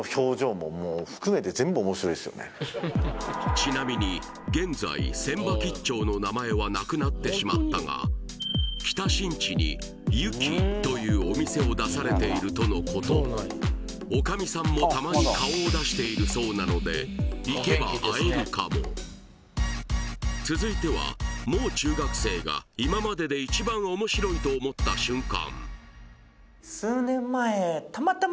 ちなみに現在船場吉兆の名前はなくなってしまったが北新地に湯木というお店を出されているとのこと女将さんもたまに顔を出しているそうなので行けば続いてはもう中学生が今までで一番面白いと思った瞬間